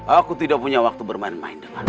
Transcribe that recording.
aku tidak punya waktu bermain main dengan